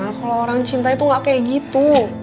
engga ma kalau orang cintai tuh ga kayak gitu